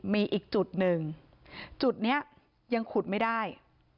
มีอีกจุดหนึ่งจุดนี้ยังขุดไม่ได้